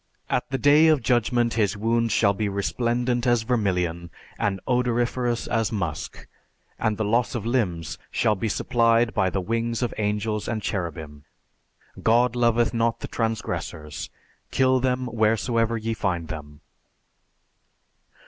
At the day of Judgment his wounds shall be resplendent as vermilion, and odoriferous as musk; and the loss of limbs shall be supplied by the wings of angels and cherubim ... God loveth not the Transgressors; kill them wheresoever ye find them."